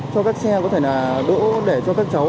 cho các xe có thể là đỗ để cho các cháu